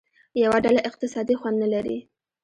یوه ډله اقتصادي خوند نه لري.